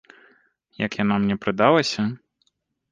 Як яна мне прыдалася?